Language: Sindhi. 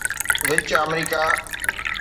وچ آمريڪا